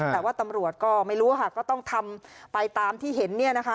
แต่ว่าตำรวจก็ไม่รู้ค่ะก็ต้องทำไปตามที่เห็นเนี่ยนะคะ